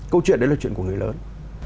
câu chuyện đấy là chuyện của người lớn